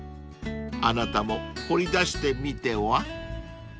［あなたも掘り出してみては？］